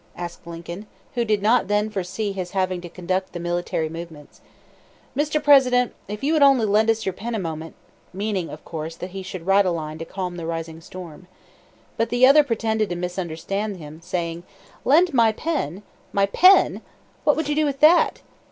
asked Lincoln, who did not then foresee his having to conduct the military movements. "Mr. President, if you would only lend us your pen a moment " meaning, of course, that he should write a line to calm the rising storm. But the other pretended to misunderstand him, saying: "Lend my pen! my pen? What would you do with that?